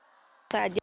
saya rasa saja